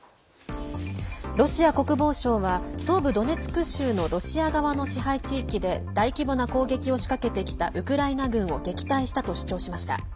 ロシア国防省は東部ドネツク州のロシア側の支配地域で大規模な攻撃を仕掛けてきたウクライナ軍を撃退したと主張しました。